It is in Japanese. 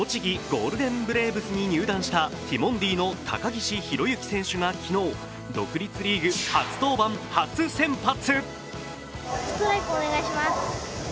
ゴールデンブレーブスに入団したティモンディの高岸宏行さんが昨日、独立リーグ初登板・初先発。